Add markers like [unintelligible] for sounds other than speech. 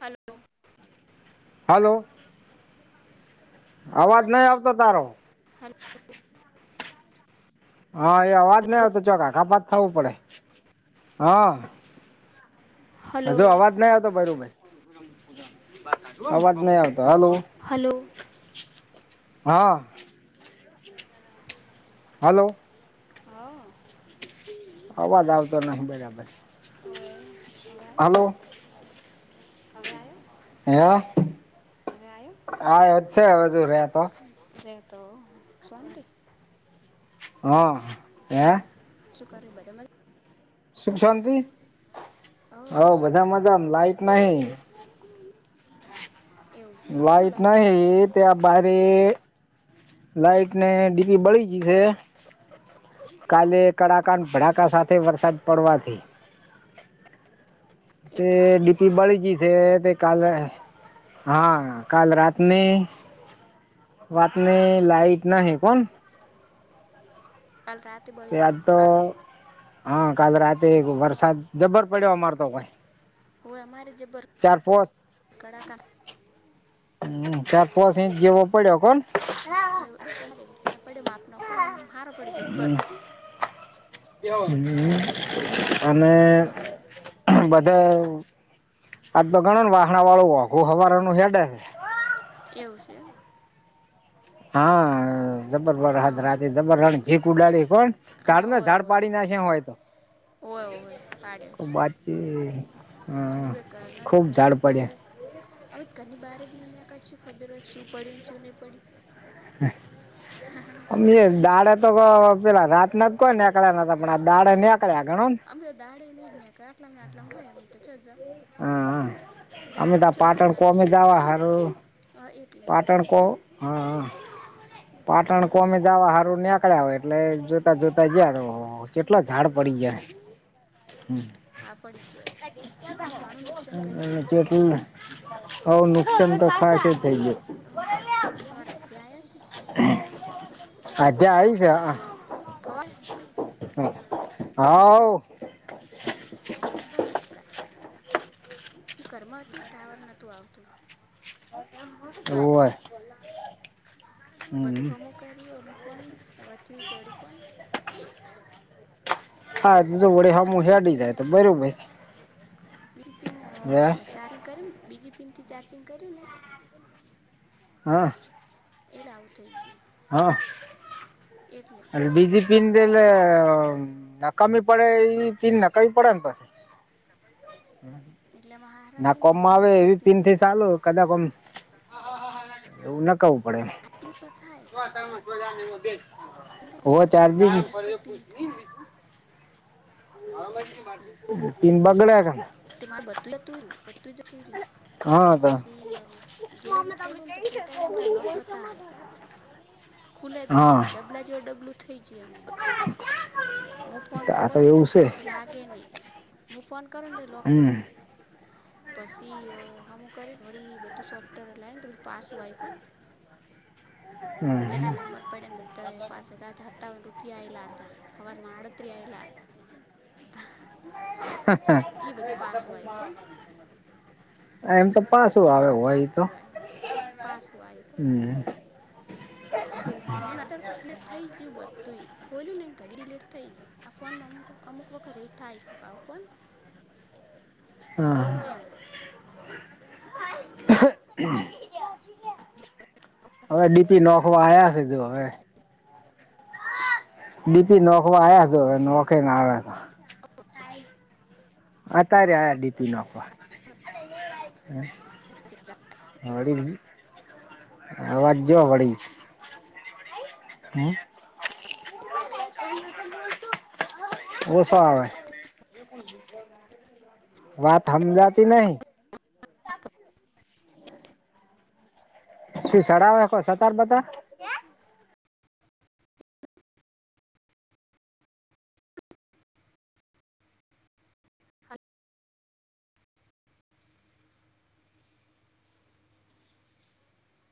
Hello. Hello. અવાજ નહી આવતો તારો. હા એ અવાજ નઈ આવતો જરાક આઘા થવું પડે. હા. હલો હજુ હલો અવાજ નઈ આવતો ભાઈલુ ભાઈ અવાજ નહી આવતો હાલો. હલો. હા. હલો હા. અવાજ આવતો નથી હારે હવે હલો. અવે આયો? હે આ અવે આયો હા એક છે અવે [inaudible] એતો શોંતી. હા. અહ હે હમ શું કર બધા મ. સુખ શાંતિ હો હવ બધા મજામાં લાઈટ સુખ નહિ. શાંતિ એવું છે ચમ લાઈટ નહી નથી એ થી આપ. બારે લાાઈટ ને ડીગરી બળી ગઈ છે. કાલે કડાકા ને ભડાકા સાથે વરસાદ પડવાથી. તે ડીપી બળીજ છે તે કાલે હા કાલ રાતની વાતને લાઈટ નાહે કોણ કાલ રાત. તે આજ તો હા કાાલ રાતે વરસાદ જબર પડ્યો અમાર તો ભાઇ ઓ અમારે જબર પોચ કડાકા હમ્મ ચાર પોંચ ઇંચ જવો પડ્યો કોણ. ઇયુ બસા એમજ આવ્યું પડ્યું માપનું કોનો હારો પડયો જભર. હમ્મ અને. શું કરે બધા આટતો ગણને વાહણાવાળું ઓઘું હવારનું હેટે હે એવું છે. હા જબર વારહાદ હા રાતી જબર જીકુ ઉડાડી કોણ. સારું ને ઝાડ પાડી નાખ્યા હોય તો. ઓય હોવેય પાડ શી બાકી અમે હમ તો કરના હોય ખુબ ઝાડ ઘરની પડ્યા બાર. હમે ઘરની બહાર જ નીન્યા કાચુ ખડોરો શું પડી ને શું નહીં પડી. અમેઇ દાળ. તો પેલા રાત ના જ કોઈ નીકળ્યા નતા પણ આ દાળે નીક્યા ગણો ને. આમેતો દાડે નહીજ નેં આટલામને આટલામ હોય અમિત તો જ. હાઆ અમે તો આ પાટણ દાળ કોમે દવા હારુ હા એટલે પાટણકો હા હા પાટણ કોમે જાવા હારું નેકળ્યા હોય એટલે જોતા જોતા જયા કર્હો ઓર હા કેટલા ઝાડ બરોબર પડી ગયા, હમ્મ હા પડી ગયા હશે ઘણું નુકસાન કરી પડવું [unintelligible] આવું નુકસાન તો ખાશુ થઈ ગાયો. હા અમારા ત્યાં આશી આજે આવીશા ખવાહે હાઓ બસતા. હું ઘરમા હતી તાવર નહોતું આવતું. ઓય બરાઈ. બધું હમ. હમું કર્યું એમ ફોન તો વધ્યું છેેવડી કોન. આજતો વડેહે આ બીજી પીનઅ બીજી પીનઅ હે ચારી કરુ બીજી પિનથી ચાર્જિંગ કર્યુંને. હા. એતલે આવું થઇ ગયું. હા. એટલે એટળે બીજી પીન થી એટલે અ નકામી પડે એવી પીન નાકાવી પડે એ પાસી એટલામાં હારા ની મોહે ને એકજ પીન જા ચાલો કદાકોમ એવું નાખાવું પડે. કી પાથાયો ઓ પણ થતું બિલ બી ચાર્જિંગ એક જ બી નહીં થાય એટલે પિન બગડે કાને તે મારે બાટલો ટુયુ બધુ જતું રહ્યું. હા તો સિય ગેલ ખોલુંને તો ફોટાએ ન બતાવે લોક બતાવે. ખુલે જ હા નહી ડબ્લાજ ડબલું થય જ મુ ફોન આ કરું તો એવું કો છે લાગે નહી. મું ફોન કરુ ને તો લોક હમ માગે. પછી હમુ કરી વડી બધું સોફ્ટવેર લાવ ને તો બધું પાસું તો તેના હમ નંબર પડયા બતા પાછળ હ હતાન રૂપિયા આયલા હતા હવારમા આડતરી આલા ઈ બધું પાસું આવ્યું પણ એમ તો પાછું આવે હોય તો હા, પાછું આવ્યું કો હમ્મ [inaudible] [unintelligible] એટલે મને અત્યારે લેટ થઈ ગયું બધું બોલ્યું ને ઘડી લેટ થઈ ગયું આ ફોનમાં અમુક વખત એવું થાય શે કોણ હા તેમ હવે ડીપી નોખવા આવ્યા છે તો હવે ડીપી નોખવા આયા તો હવે નોખીને આવ્યા તા. અતા‌રે આયા ડીપી નોખવા [inaudible] [unintelligible] [inaudible] અવાજ જો વડી હમ્મ [unintelligible] [inaudible] ઓસો આવે. [inaudible] [unintelligible] વાત હમજાતી નહીં. સડાવે કો સતાર બતાર